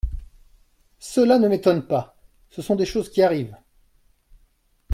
Cela ne m’étonne pas ! Ce sont des choses qui arrivent.